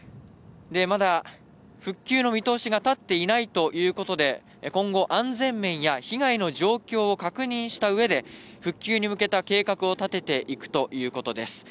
まだ復旧の見通しが立っていないということで、今後、安全面や被害の状況を確認した上で復旧に向けた計画を立てていくということです。